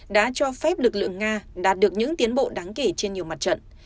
đã cho phép lực lượng nga đạt được những tiến bộ đáng kể trên nhiều mặt trận